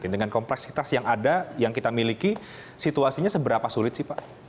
dengan kompleksitas yang ada yang kita miliki situasinya seberapa sulit sih pak